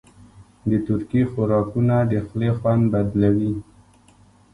د ترکي خوراکونه د خولې خوند بدلوي.